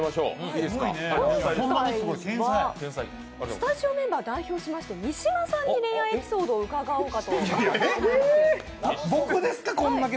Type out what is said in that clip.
スタジオメンバーを代表して、三島さんに恋愛エピソードを伺おうと思います。